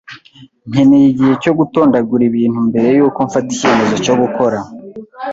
Nkeneye igihe cyo gutondagura ibintu mbere yuko mfata icyemezo cyo gukora.